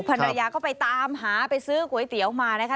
ภรรยาก็ไปตามหาไปซื้อก๋วยเตี๋ยวมานะคะ